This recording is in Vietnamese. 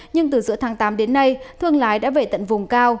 nhưng từ giữa tháng tám đến nay thương lái đã về tận vùng cao